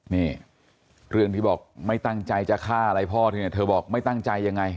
นี่เรื่องที่บอกไม่ตั้งใจจะฆ่าอะไรพ่อเธอเนี่ยเธอบอกไม่ตั้งใจยังไง